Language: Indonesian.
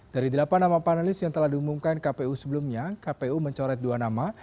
dari delapan nama panelis yang telah diumumkan kpu sebelumnya kpu mencoret dua nama